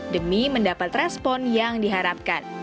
demi mendapat respon yang diharapkan